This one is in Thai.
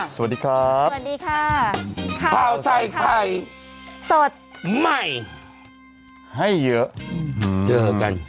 สวัสดีครับสวัสดีค่ะข้าวใส่ไข่สดใหม่ให้เยอะเจอกัน